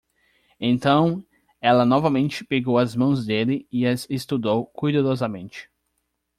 Então ela novamente pegou as mãos dele e as estudou cuidadosamente.